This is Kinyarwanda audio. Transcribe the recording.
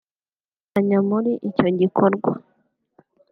abo turafatanya muri icyo gikorwa